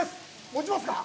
持ちますか？